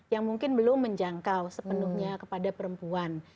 yang mungkin belum menjangkau sepenuhnya kepada perempuan